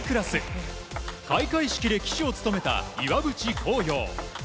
開会式で旗手を務めた岩渕幸洋。